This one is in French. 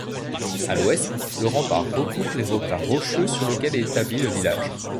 À l'ouest, le rempart recoupe les replats rocheux sur lesquels est établi le village.